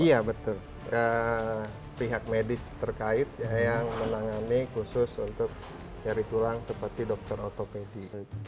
iya betul pihak medis terkait yang menangani khusus untuk nyeri tulang seperti dokter otopedi